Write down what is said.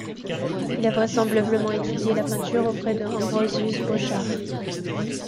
Il a vraisemblablement étudié la peinture auprès de Ambrosius Bosschaert.